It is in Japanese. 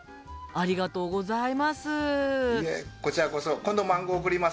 ありがとうございます。